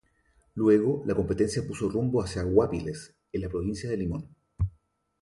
Luego la competencia puso rumbo hacia Guápiles en la provincia de Limón.